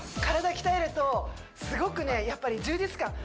体鍛えるとすごくねやっぱり充実感